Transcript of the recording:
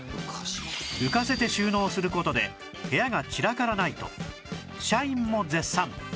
浮かせて収納する事で部屋が散らからないと社員も絶賛！